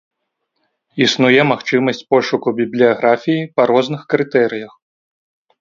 Існуе магчымасць пошуку бібліяграфіі па розных крытэрыях.